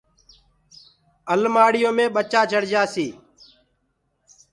المآڙيو مي ٻچآ چڙ جاسيٚ۔